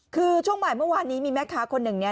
คือช่วงบ่ายเมื่อวานนี้มีแม่ค้าคนหนึ่งเนี่ย